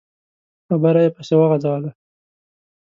خبره يې پسې وغځوله.